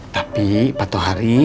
tapi patuh hari